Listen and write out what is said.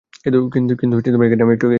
কিন্তু আমি একটু এগিয়ে ছিলাম।